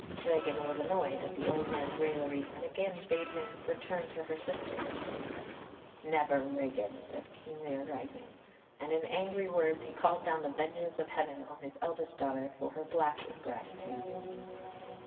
'" Regan was annoyed at the old man's raillery, and again bade him return to her sister. "Never, Regan," said King Lear, rising; and in angry words he called down the vengeance of heaven on his eldest daughter for her black ingratitude.